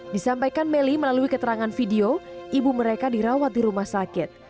disampaikan melly melalui keterangan video ibu mereka dirawat di rumah sakit